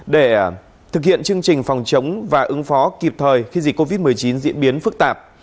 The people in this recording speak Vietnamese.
để thực hiện chương trình phòng chống và ứng phó kịp thời khi dịch covid một mươi chín diễn biến phức tạp